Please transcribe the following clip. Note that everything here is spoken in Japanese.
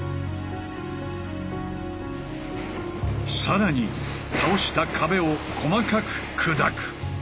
更に倒した壁を細かく砕く。